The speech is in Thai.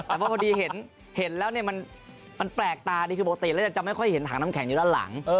แต่พอดีเห็นแล้วเนี่ยมันแปลกตาดีคือปกติแล้วจะไม่ค่อยเห็นถังน้ำแข็งอยู่ด้านหลัง